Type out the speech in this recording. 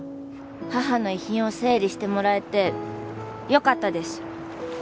母の遺品を整理してもらえてよかったです。